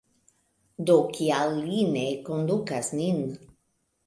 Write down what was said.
Do kial li ne kondukas nin?